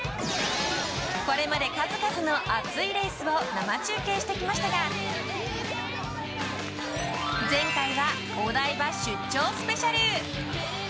これまで数々の熱いレースを生中継してきましたが前回はお台場出張スペシャル！